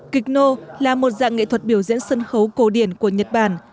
kịch nô là một dạng nghệ thuật biểu diễn sân khấu cổ điển của nhật bản